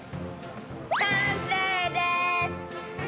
完成です！